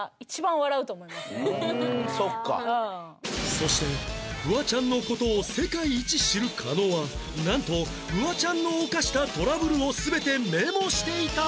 そしてフワちゃんの事を世界一知る加納はなんとフワちゃんの犯したトラブルを全てメモしていた！